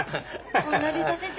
こんな竜太先生